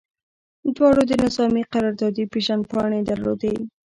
دواړو د نظامي قراردادي پیژندپاڼې درلودې